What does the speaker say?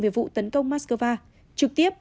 về vụ tấn công moscow trực tiếp